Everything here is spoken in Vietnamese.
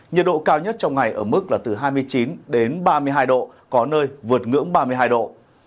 nhiệt độ cao nhất trong ngày ở mức là từ hai mươi chín đến ba mươi hai độ có nơi vượt ngưỡng ba mươi hai độ